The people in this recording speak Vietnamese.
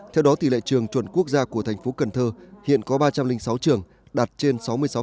theo đó tỷ lệ trường chuẩn quốc gia của thành phố cần thơ hiện có ba trăm linh sáu trường đạt trên sáu mươi sáu